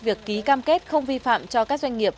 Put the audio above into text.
việc ký cam kết không vi phạm cho các doanh nghiệp